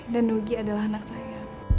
dan nugi adalah anak saya